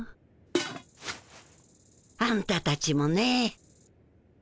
あんたたちもね。